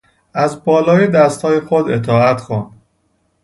از بالا دستهای خود اطاعت کن.